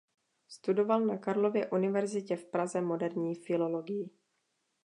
Studoval na Karlově universitě v Praze moderní filologii.